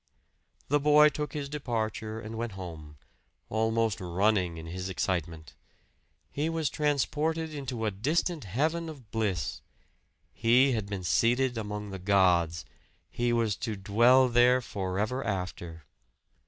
The boy took his departure and went home, almost running in his excitement. He was transported into a distant heaven of bliss; he had been seated among the gods he was to dwell there forever after!